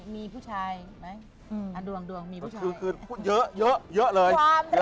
มากเลย